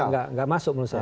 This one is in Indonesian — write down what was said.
tidak masuk menurut saya